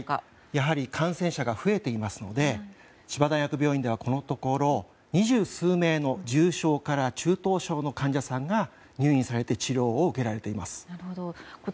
やはり感染者が増えていますので千葉大学病院ではこのところ２０数名の重症から中等症の患者さんが入院されて治療を受けられています。